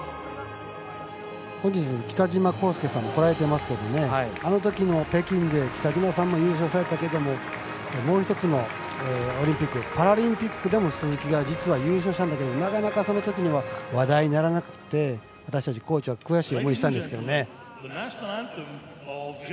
本日、北島康介さん来られてますけどねあのときの北京で北島さんも優勝されたけどもう１つのオリンピックパラリンピックでも鈴木が実は優勝したんだけどなかなか、そのときには話題にならなくて私たちコーチは悔しい思いをしたんですけどね。